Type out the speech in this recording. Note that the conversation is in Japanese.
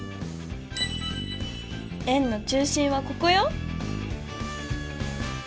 円の中心はここよ！